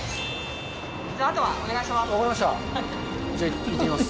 じゃああとはお願いします。